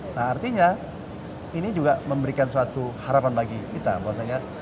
nah artinya ini juga memberikan suatu harapan bagi kita bahwasanya